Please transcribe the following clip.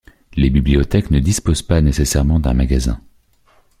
Les bibliothèques ne disposent pas nécessairement d'un magasin.